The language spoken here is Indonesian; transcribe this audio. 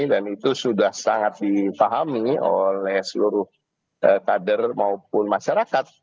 dan itu sudah sangat diper permeti oleh seluruh kader maupun masyarakat